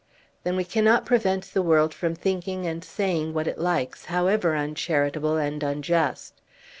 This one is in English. "Then we cannot prevent the world from thinking and saying what it likes, however uncharitable and unjust.